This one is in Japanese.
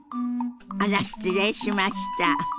あら失礼しました！